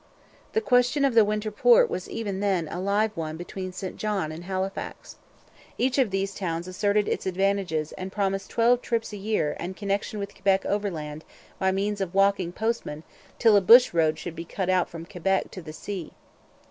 The question of the winter port was even then a live one between St John and Halifax. Each of these towns asserted its advantages and promised twelve trips a year and connection with Quebec overland by means of walking postmen till a bush road should be cut from Quebec to the sea.